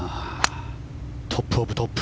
トップ・オブ・トップ。